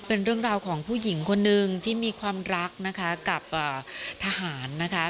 เป็นเรื่องราวของผู้หญิงคนนึงที่มีความรักนะคะกับทหารนะคะ